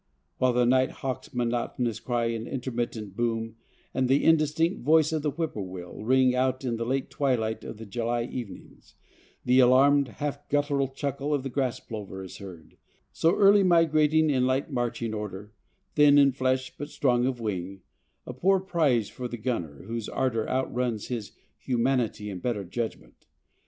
While the nighthawk's monotonous cry and intermittent boom and the indistinct voice of the whippoorwill ring out in the late twilight of the July evenings, the alarmed, half guttural chuckle of the grass plover is heard, so early migrating in light marching order, thin in flesh but strong of wing, a poor prize for the gunner whose ardor outruns his humanity and better judgment.